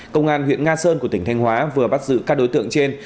công an huyện nga sơn của tỉnh thanh hóa vừa bắt giữ các đối tượng trên